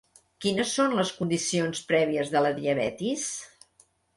Quines són les condicions prèvies de la diabetis?